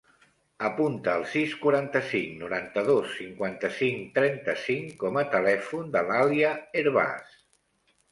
Apunta el sis, quaranta-cinc, noranta-dos, cinquanta-cinc, trenta-cinc com a telèfon de l'Alia Hervas.